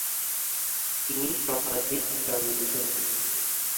তিনি শতাধিক গান লিখেছেন।